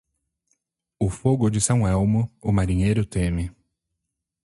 O fogo de São Elmo, o marinheiro teme.